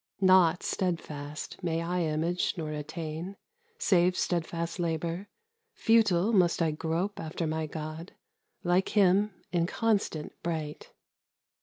Naught steadfast may I image nor attain Save steadfast labour; futile must I grope After my god, like him, inconstant bright.